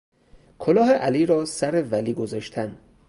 کلاه علی را سر ولی گذاشتن